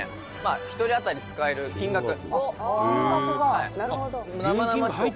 １人当たり使える金額」「金額が」